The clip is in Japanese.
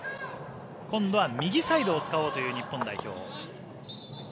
今度は右サイドを使おうという日本代表。